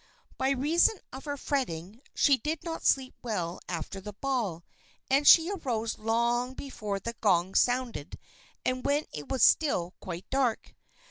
By reason of her fretting, she did not sleep well after the ball, and she arose long before the gong sounded and when it was still quite dark.